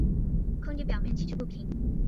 坑底表面崎岖不平。